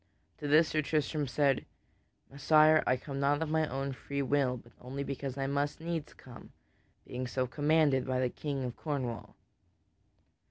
To this Sir Tristram said: "Messire, I come not of my own free will, but only because I must needs come, being so commanded by the King of Cornwall."